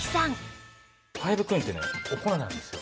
ファイブクリーンってねお粉なんですよ。